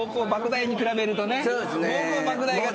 莫大に比べるとね。